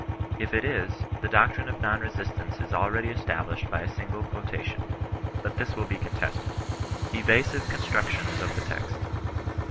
If it is, the doctrine of Non Resistance is already established by a single quotation. But this will be contested. EVASIVE CONSTRUCTIONS OP THE TEXT.